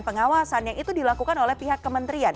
pengawasan yang itu dilakukan oleh pihak kementerian